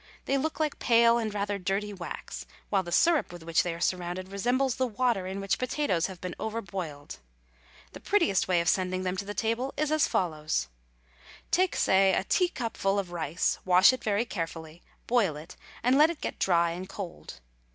They look like pale and rather dirty wax, while the syrup with which they are surrounded resembles the water in which potatoes have been over boiled. The prettiest way of sending them to table is as follows: Take, say a teacupful of rice, wash it very carefully, boil it, and let it get dry and cold.